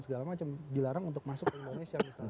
segala macam dilarang untuk masuk ke indonesia misalnya